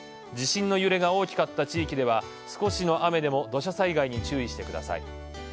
地震の揺れが大きかった地域では少しの雨でも土砂災害に注意してください。